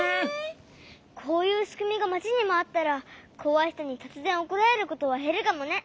こういうしくみがまちにもあったらこわいひとにとつぜんおこられることはへるかもね。